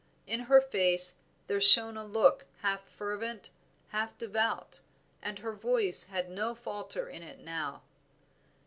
In her face there shone a look half fervent, half devout, and her voice had no falter in it now.